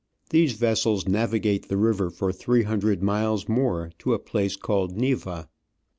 These vessels navigate the river for three hundred miles more to a place called Neiva.